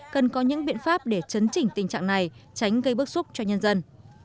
cần có những biện pháp để chấn chỉnh tình trạng này tránh gây bức xúc cho nhân dân